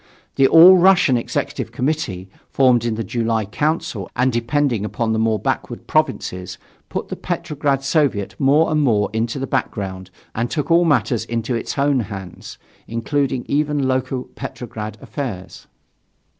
The All Russian Executive Committee, formed in the July Council and depending upon the more backward provinces, put the Petrograd Soviet more and more into the background and took all matters into its own hands, including even local Petrograd affairs.